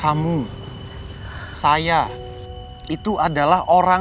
kamu saya itu adalah orang